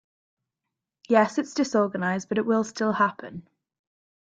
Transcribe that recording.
Yes, it’s disorganized but it will still happen.